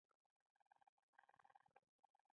د مذهبي زغم نشتوالی د تبعیض او شخړو لامل کېږي.